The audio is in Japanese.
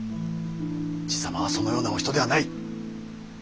爺様はそのようなお人ではない。